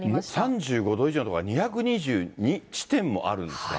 ３５度以上の所が２２２地点もあるんですか。